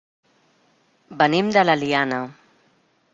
Venim de l'Eliana.